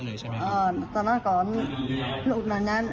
ไปเจอเออขึ้นไปกรบกรบห้อง